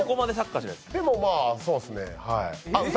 でも、まあ、そうですね。